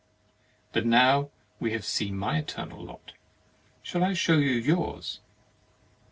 But now we have seen my eternal lot, shall I show you yours?"